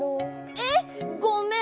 えっごめん！